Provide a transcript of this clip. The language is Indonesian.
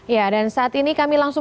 ya dan saat ini kami langsung